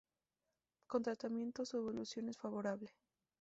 Con tratamiento, su evolución es favorable.